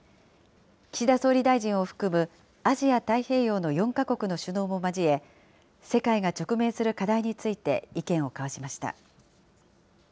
岸田総理大臣を含むアジア太平洋の４か国の首脳も交え、世界が直面する課題について、意見を交わしました。